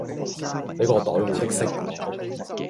你個袋好的識